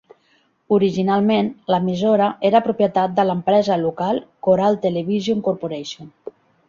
Originalment, l'emissora era propietat de l'empresa local Coral Television Corporation.